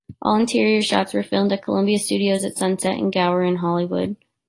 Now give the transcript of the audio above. All interior shots were filmed at Columbia Studios at Sunset and Gower in Hollywood.